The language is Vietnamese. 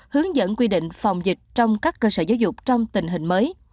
hướng dẫn quy định phòng dịch trong các cơ sở giáo dục trong tình hình mới